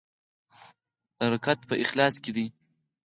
برکت په اخلاص کې دی